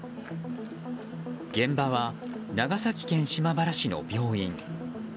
現場は長崎県島原市の病院。